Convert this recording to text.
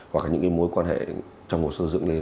hoặc là những mối quan hệ trong hồ sơ dưỡng liên lạc